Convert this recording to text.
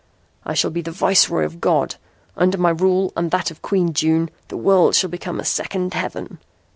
I shall be the viceroy of God. Under my rule and that of Queen June the world shall become a second heaven."